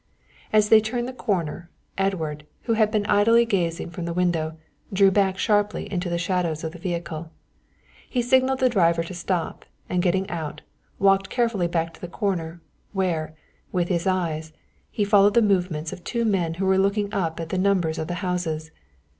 As they turned the corner, Edward, who had been idly gazing from the window, drew back sharply into the shadows of the vehicle. He signalled the driver to stop, and getting out, walked carefully back to the corner, where, with his eyes, he followed the movements of two men who were looking up at the numbers of the houses.